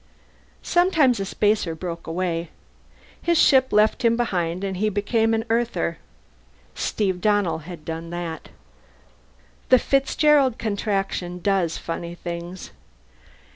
Sometimes a Spacer broke away. His ship left him behind, and he became an Earther. Steve Donnell had done that. _The Fitzgerald Contraction does funny things.